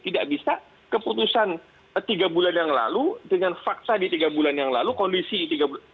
tidak bisa keputusan tiga bulan yang lalu dengan fakta di tiga bulan yang lalu kondisi tiga bulan